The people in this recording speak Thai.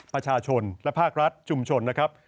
ประชาชนและภาครัฐชุมชนนะครับ